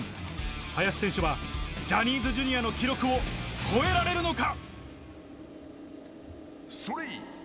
林選手は、ジャニーズＪｒ．の記録を超えられるのか。